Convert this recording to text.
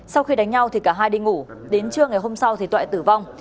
sau khi đánh nhau thì cả hai đi ngủ đến trưa ngày hôm sau thì toại tử vong